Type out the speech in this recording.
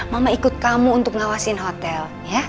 mama ikut kamu untuk ngawasin hotel